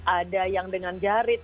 ada yang dengan jarik